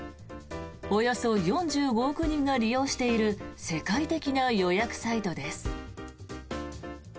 およそ４５億人が利用している世界的な予約サイトです。